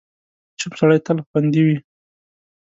چوپ سړی، تل خوندي وي.